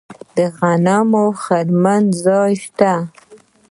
د غنمو د خرمن ځایونه شته.